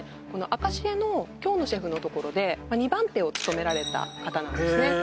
アカシエの興野シェフのところで２番手を務められた方なんですねへえ